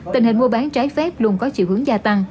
tình hình mua bán trái phép luôn có chiều hướng gia tăng